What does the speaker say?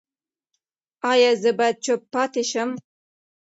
ایا زه باید چوپ پاتې شم؟